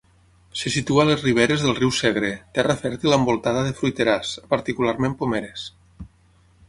Se situa a les riberes del riu Segre, terra fèrtil envoltada de fruiterars, particularment pomeres.